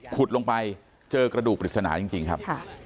ลงไปเจอกระดูกปริศนาจริงครับ